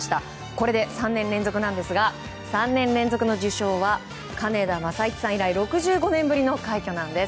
これで３年連続なんですが３年連続の受賞は金田正一さん以来６５年ぶりの快挙なんです。